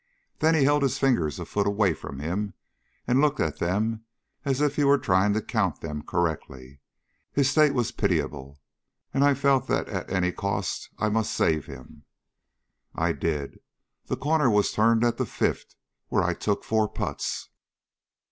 Then he held his fingers a foot away from him, and looked at them as if he were trying to count them correctly. His state was pitiable, and I felt that at any cost I must save him. I did. The corner was turned at the fifth, where I took four putts.